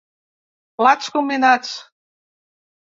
Plats combinats: